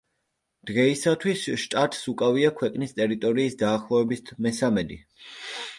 დღეისათვის შტატს უკავია ქვეყნის ტერიტორიის დაახლოებით მესამედი.